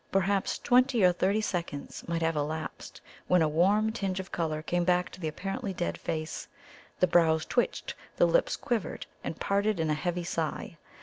Perhaps twenty or thirty seconds might have elapsed, when a warm tinge of colour came back to the apparently dead face the brows twitched the lips quivered and parted in a heavy sigh.